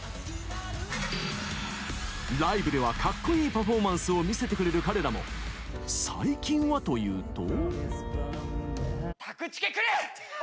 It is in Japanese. ライブではカッコいいパフォーマンスを見せてくれる彼らも最近はというと。